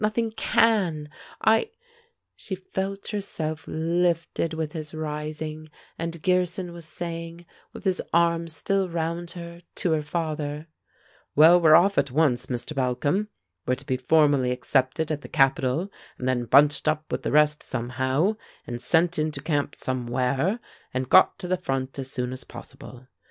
Nothing can! I " She felt herself lifted with his rising, and Gearson was saying, with his arm still round her, to her father: "Well, we're off at once, Mr. Balcom. We're to be formally accepted at the capital, and then bunched up with the rest somehow; and sent into camp somewhere, and got to the front as soon as possible.